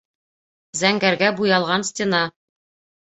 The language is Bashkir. Зәңгәргә буялған стена